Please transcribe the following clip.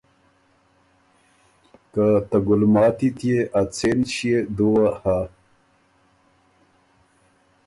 که ته ګُلماتی ت يې ا څېن ݭيې دُوه هۀ